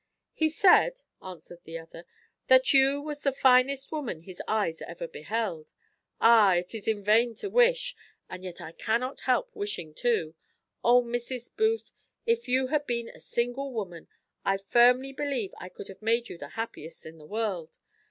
"He said," answered the other, "that you was the finest woman his eyes ever beheld. Ah! it is in vain to wish, and yet I cannot help wishing too. O, Mrs. Booth! if you had been a single woman, I firmly believe I could have made you the happiest in the world.